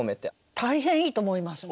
大変いいと思いますね。